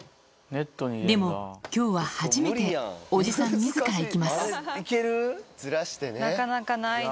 でも今日は初めておじさん自ら行きますずらしてね。